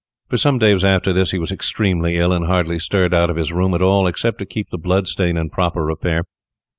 For some days after this he was extremely ill, and hardly stirred out of his room at all, except to keep the blood stain in proper repair.